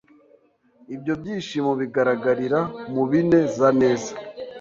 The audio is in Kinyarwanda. Ibyo byishimo bigaragarira mu bine zaneza,